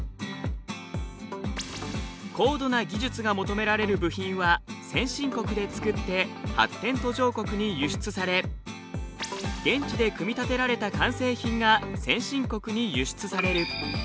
高度な技術が求められる部品は先進国で作って発展途上国に輸出され現地で組み立てられた完成品が先進国に輸出される。